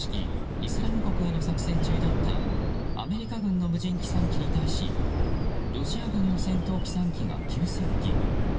イスラム国への作戦中だったアメリカ軍の無人機３機に対しロシア軍の戦闘機３機が急接近。